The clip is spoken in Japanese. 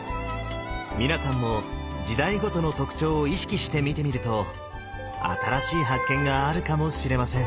皆さんも時代ごとの特徴を意識して見てみると新しい発見があるかもしれません。